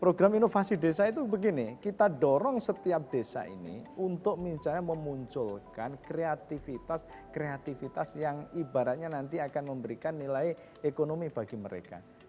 program inovasi desa itu begini kita dorong setiap desa ini untuk misalnya memunculkan kreativitas kreativitas yang ibaratnya nanti akan memberikan nilai ekonomi bagi mereka